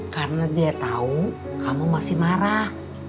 karena dia tahu kamu masih marah